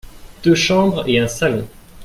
Deux chambres et un salon.